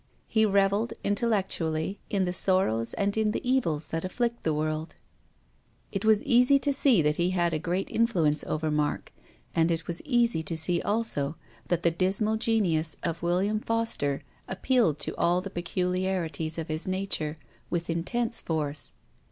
He revelled, intellectually, in the sor rows and in the evils that afflict the world. " WILLIAM FOSTER." 153 It was easy to see that he had a great influence over Mark. And it was easy to see also that the dismal genius of '' William Foster " appealed to all the peculiarities of his nature with intense force.